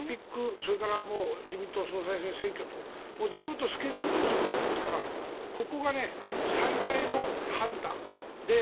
それから自民党総裁選挙ともうずっとスケジュールが入っていますからここが最大の判断。